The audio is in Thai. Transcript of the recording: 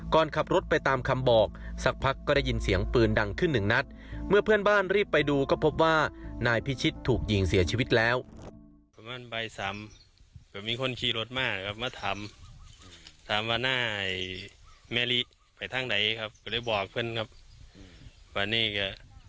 ก็มีคนคีย์รถมากครับมาถามถามว่าหน้าไอ้แม่ลิไปทางไหนครับก็เลยบอกเพื่อนครับว่าเนี่ยก็